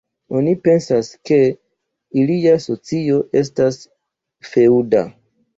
Oni pensas, ke ilia socio estis feŭda.